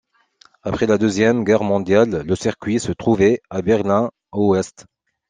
Après la Deuxième Guerre mondiale, le circuit se trouvait à Berlin-Ouest.